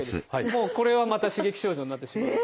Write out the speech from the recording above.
もうこれはまた刺激症状になってしまうので。